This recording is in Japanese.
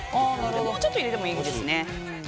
もうちょっと入れてもいいですね。